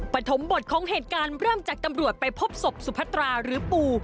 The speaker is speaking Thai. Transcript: ปฐมบทของเหตุการณ์เริ่มจากตำรวจไปพบศพสุพัตราหรือปู